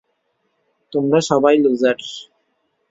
তোমরা সবাই লুজার।